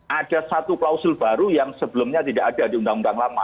ada satu klausul baru yang sebelumnya tidak ada di undang undang lama